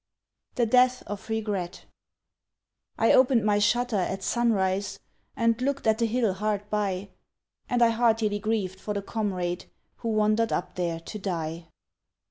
THE DEATH OF REGRET I OPENED my shutter at sunrise, And looked at the hill hard by, And I heartily grieved for the comrade Who wandered up there to die.